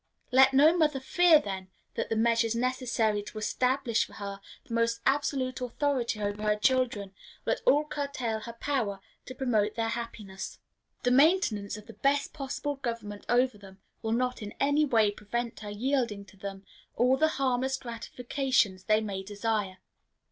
Let no mother fear, then, that the measures necessary to establish for her the most absolute authority over her children will at all curtail her power to promote their happiness. The maintenance of the best possible government over them will not in any way prevent her yielding to them all the harmless gratifications they may desire.